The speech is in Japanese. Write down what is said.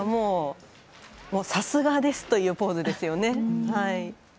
さすがですというポーズですよね。